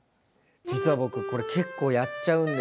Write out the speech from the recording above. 実は僕これ結構やっちゃうんですけど。